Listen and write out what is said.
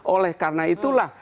oleh karena itulah